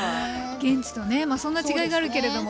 現地とねそんな違いがあるけれども。